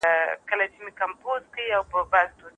ټیمونه د ملت غرور څرګندوي.